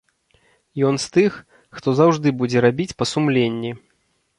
Ён з тых, хто заўжды будзе рабіць па сумленні.